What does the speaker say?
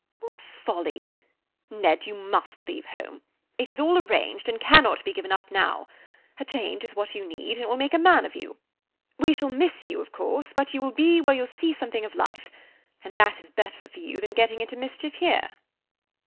"What folly! Ned, you must leave home. It is all arranged and cannot be given up now. A change is what you need, and it will make a man of you. We shall miss you, of course, but you will be where you'll see something of life, and that is better for you than getting into mischief here."